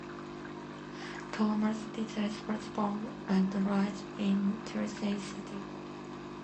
Thomas DeGise was born and raised in Jersey City.